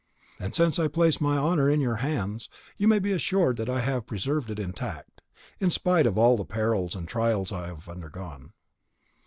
And since I place my honour in your hands, you may be assured that I have preserved it intact, in spite of all the perils and trials I have undergone.